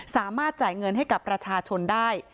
สามารถจ่ายเงินให้กับประชาชนได้